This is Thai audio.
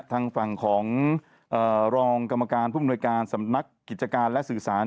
ทางฝั่งของรองกรรมการผู้มนวยการสำนักกิจการและสื่อสาร